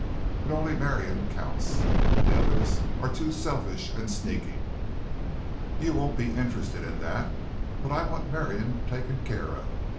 But only Marion counts. The others were too selfish and sneaking. You won't be interested in that. But I want Marion taken care of.